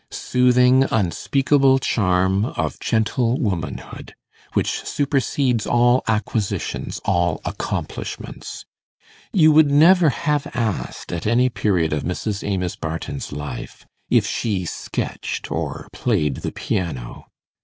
Soothing, unspeakable charm of gentle womanhood! which supersedes all acquisitions, all accomplishments. You would never have asked, at any period of Mrs. Amos Barton's life, if she sketched or played the piano.